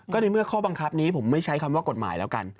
ก็ในเมื่อข้อบังคับนี้ผมไม่ใช้คำว่ากฎหมายแล้วกัน